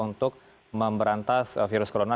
untuk memberantas virus corona